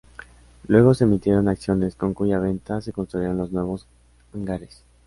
Luego se emitieron acciones, con cuya venta se construyeron los nuevos hangares.